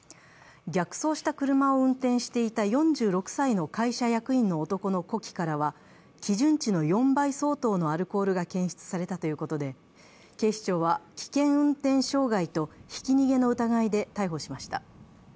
逆走した車を運転していた４６歳の会社役員の男の呼気からは基準値の４倍相当のアルコールが検出されたということで警視庁は、危険運転傷害とひき逃げの疑いで逮捕しました。